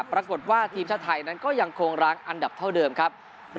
ปรากฏว่าทีมชาติไทยนั้นก็ยังคงร้างอันดับเท่าเดิมครับ